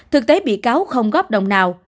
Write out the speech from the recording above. thực tế bị cáo không góp đồng nào